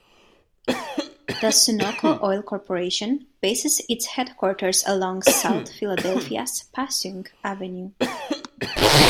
The Sunoco oil corporation bases its headquarters along South Philadelphia's Passyunk Avenue.